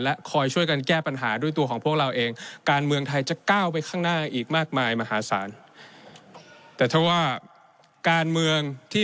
และคอยช่วยกันแก้ปัญหาด้วยตัวของพวกเราเอง